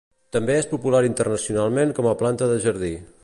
També és popular internacionalment com a planta de jardí.